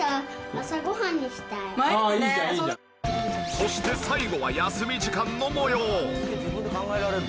そして最後は休み時間の模様。